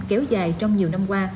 kéo dài trong nhiều năm qua